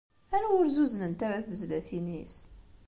Anwa ur zzuznent ara tezlatin-is?